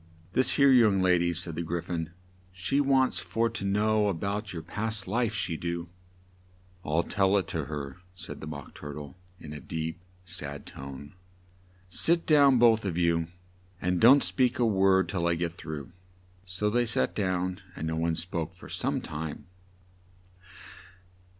"This here young la dy," said the Gry phon, "she wants for to know a bout your past life, she do." "I'll tell it to her," said the Mock Tur tle in a deep, sad tone: "sit down both of you and don't speak a word till I get through." So they sat down, and no one spoke for some time.